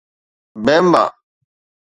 بيمبا